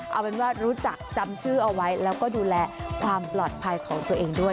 เอาเป็นว่ารู้จักจำชื่อเอาไว้แล้วก็ดูแลความปลอดภัยของตัวเองด้วย